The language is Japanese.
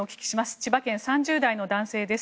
千葉県、３０代の男性です。